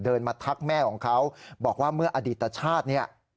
มาทักแม่ของเขาบอกว่าเมื่ออดีตชาติเนี่ย